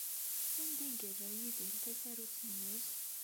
Sanda ay yerra Yidir tasarut-nnes?